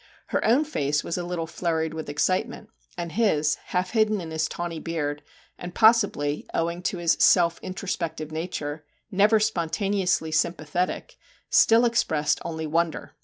Her own face was a little flurried with excitement, and his, half hidden in his tawny beard, and possibly, owing to his self introspective nature, never spontaneously sympathetic, still expressed only wonder!